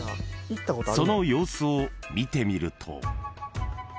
［その様子を見てみると］